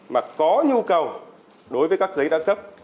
mà có nhu cầu đối với các giấy đã cấp